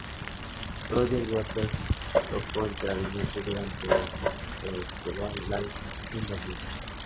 Roger Waters tocó el clarinete durante el "The Wall Live in Berlin".